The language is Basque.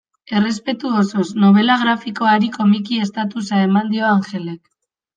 Errespetu osoz, nobela grafikoari komiki estatusa eman dio Angelek.